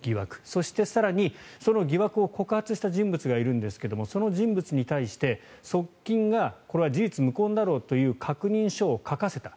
そして、更にその疑惑を告発した人物がいるんですがその人物に対して側近がこれは事実無根だろうという確認書を書かせた。